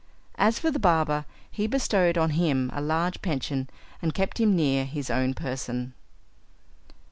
As for the barber, he bestowed on him a large pension, and kept him near his own person.